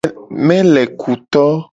Melekuto.